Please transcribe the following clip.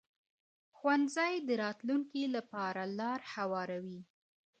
ښوونځی د راتلونکي لپاره لار هواروي